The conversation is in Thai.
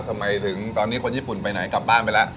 ทำไมถึงตอนนี้คนญี่ปุ่นไปไหนกลับบ้านไปแล้ว